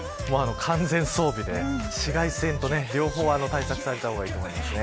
完全装備で紫外線と両方対策された方がいいと思います。